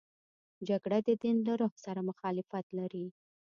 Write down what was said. جګړه د دین له روح سره مخالفت لري